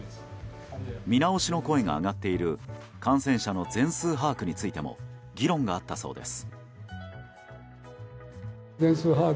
見直しの声が上がっている感染者の全数把握についても議論があったそうです。